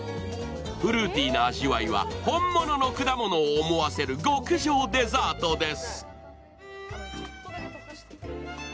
フルーティーな味わいは本物の果物を思わせる極上デザートです。